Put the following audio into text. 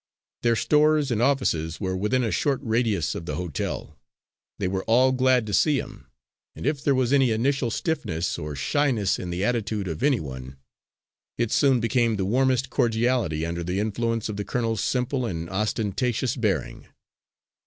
Their stores and offices were within a short radius of the hotel. They were all glad to see him, and if there was any initial stiffness or shyness in the attitude of any one, it soon became the warmest cordiality under the influence of the colonel's simple and unostentatious bearing.